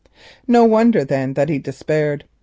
No wonder, then, that he despaired.